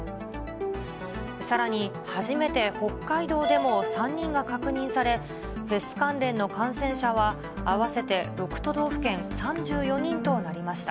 さらに初めて北海道でも３人が確認され、フェス関連の感染者は合わせて６都道府県３４人となりました。